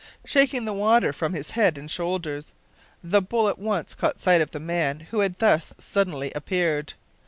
Shaking the water from his head and shoulders, the bull at once caught sight of the man who had thus suddenly appeared.